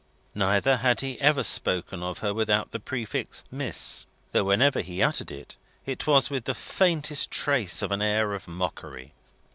Neither had he ever spoken of her without the prefix "Miss," though whenever he uttered it, it was with the faintest trace of an air of mockery.